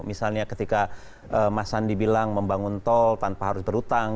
misalnya ketika mas sandi bilang membangun tol tanpa harus berhutang